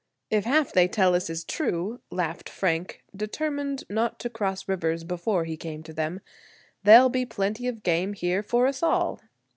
"If half they tell us is true," laughed Frank, determined not to cross rivers before he came to them, "there'll be plenty of game here for us all."